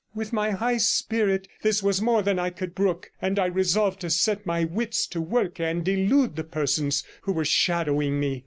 With my high spirit this was more than I could brook, and I resolved to set my wits to work and elude the persons who were shadowing me.